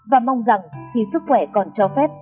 và mong rằng khi sức khỏe còn cho phép